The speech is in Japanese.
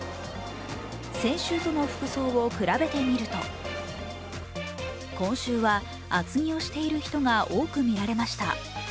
先週との服装を比べてみると今週は厚着をしている人が多く見られました。